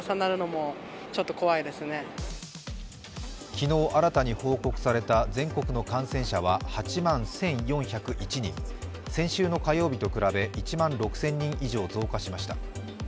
昨日、新たに報告された全国の感染者は８万１４０１人、先週の火曜日と比べ１万６０００人以上増加しました。